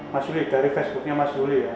mas willy dari facebooknya mas juli ya